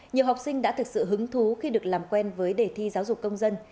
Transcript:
nhiều học sinh đã thực sự hứng thú khi được làm quen với đề thi giáo dục công dân